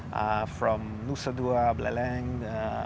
dari nusa dua blaleng